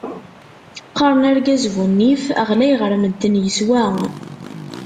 Qaren argaz bu nnif, ɣlay ɣer medden, yeswa.